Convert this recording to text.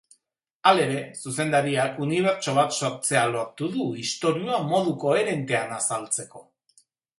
Halere, zuzendariak unibertso bat sortzea lortu du, istorioa modu koherentean azaltzeko.